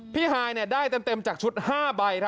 ฮายได้เต็มจากชุด๕ใบ